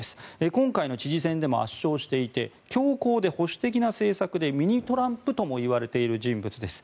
今回の知事選でも圧勝していて強硬で保守的な政策でミニトランプともいわれている人物です。